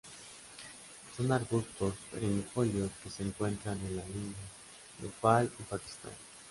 Son arbustos perennifolios que se encuentran en la India, Nepal y Pakistán.